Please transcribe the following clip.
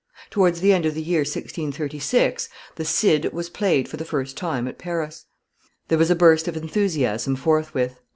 Towards the end of the year 1636, the Cid was played for the first time at Paris. There was a burst of enthusiasm forthwith.